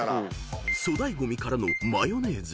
［粗大ゴミからのマヨネーズ］